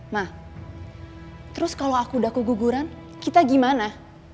nah terus kalau aku udah keguguran kita gimana